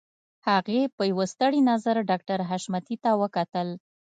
هغې په يوه ستړي نظر ډاکټر حشمتي ته وکتل.